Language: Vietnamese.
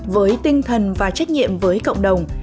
với tinh thần và trách nhiệm với cộng đồng